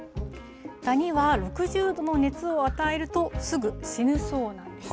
ダニは６０度の熱を与えるとすぐ死ぬそうなんです。